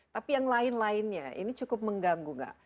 tapi yang lain lainnya ini cukup mengganggu nggak